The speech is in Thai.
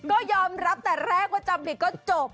ก็ยอมรับแต่แรกว่าจำผิดก็จบ